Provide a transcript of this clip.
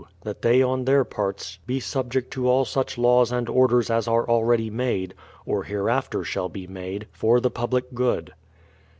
That they on their parts be subject to all such laws and orders as are already made, or hereafter shall be made, for the public good.